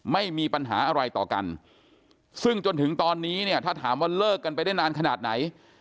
ไม่มีปัญหาอะไรต่อกันซึ่งจนถึงตอนนี้เนี่ยถ้าถามว่าเลิกกันไปได้นานขนาดไหน